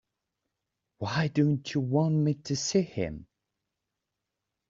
Why don't you want me to see him?